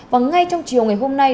và ngay trong chiều ngày hôm nay